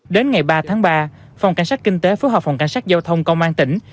đến ngày ba tháng ba phòng cảnh sát kinh tế phối hợp phòng cảnh sát giao thông công an tỉnh